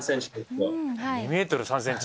２ｍ３ｃｍ？